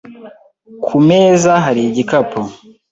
Ku meza hari igikapu .